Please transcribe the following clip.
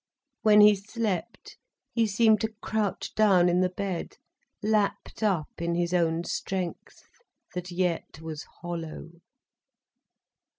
When he slept he seemed to crouch down in the bed, lapped up in his own strength, that yet was hollow.